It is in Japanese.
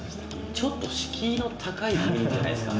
ちょっと敷居の高い雰囲気じゃないですか。